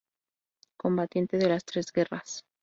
Combatiente de las tres guerras.